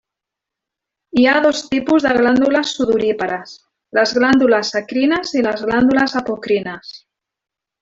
Hi ha dos tipus de glàndules sudorípares: les glàndules eccrines i les glàndules apocrines.